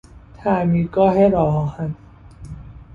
تعمیرگاه راه آهن